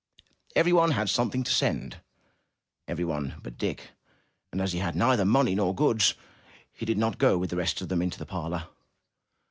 Everyone had something to send, — every one but Dick; and as he had neither money nor goods, he did not go with the rest into the parlor.